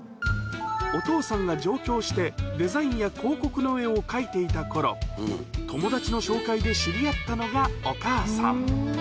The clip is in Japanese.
お父さんが上京して、デザインや広告の絵を描いていたころ、友達の紹介で知り合ったのがお母さん。